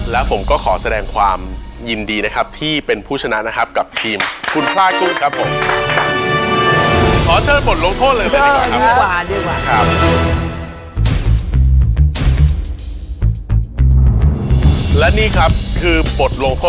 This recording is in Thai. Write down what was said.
ลักกะปิดลักกะเปิด